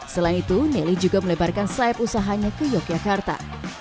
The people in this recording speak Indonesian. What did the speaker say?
selain itu nelly juga melebarkan sayap usahanya ke yogyakarta